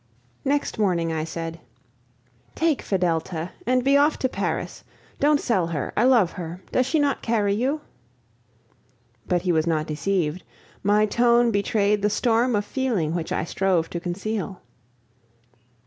Next morning I said: "Take Fedelta and be off to Paris! Don't sell her; I love her. Does she not carry you?" But he was not deceived; my tone betrayed the storm of feeling which I strove to conceal.